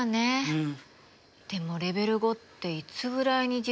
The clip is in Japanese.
うん。